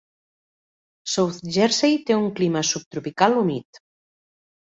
South Jersey té un clima subtropical humit.